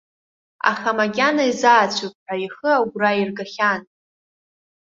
Аха макьана изаацәоуп ҳәа ихы агәра аиргахьан.